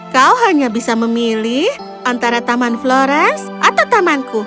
kau hanya bisa memilih antara taman flores atau tamanku